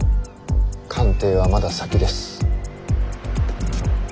官邸はまだ先です。